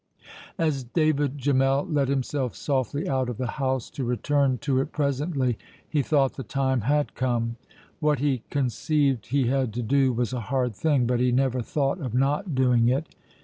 As David Gemmell let himself softly out of the house, to return to it presently, he thought the time had come. What he conceived he had to do was a hard thing, but he never thought of not doing it.